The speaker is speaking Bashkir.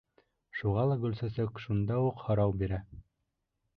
Шуға ла Гөлсәсәк шунда уҡ һорау бирә: